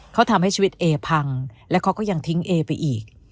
เขาทำให้ชีวิตเอพังและเขาก็ยังทิ้งเอไปอีก